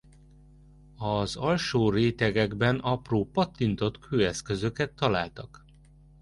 Az alsó rétegekben apró pattintott kőeszközöket találtak.